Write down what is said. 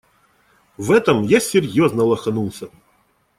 В этом я серьёзно лоханулся.